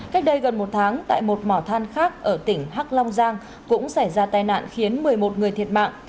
cách đây gần một tháng tại một mỏ than khác ở tỉnh hắc long giang cũng xảy ra tai nạn khiến một mươi một người thiệt mạng